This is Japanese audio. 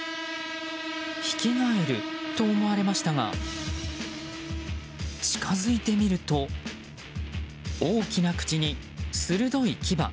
ヒキガエルと思われましたが近づいてみると大きな口に鋭い牙。